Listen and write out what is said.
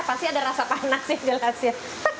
pasti ada rasa panas ya jelasnya